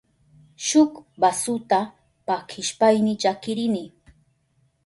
Shuk basuta pakishpayni llakirini.